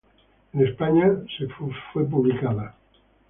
En España, fue publicada en el núm.